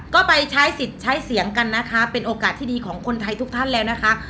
ก็ไปใช้สิทธิ์ใช้เสียงกันนะคะเป็นโอกาสที่ดีของคนไทยทุกท่านแล้วนะคะ